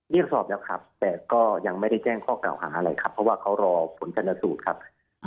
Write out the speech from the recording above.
เรียกสอบแล้วครับแต่ก็ยังไม่ได้แจ้งข้อกล่าวหาอะไรครับเพราะว่าเขารอผลชนสูตรครับ